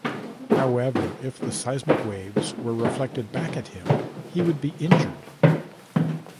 However, if the seismic waves were reflected back at him, he would be injured.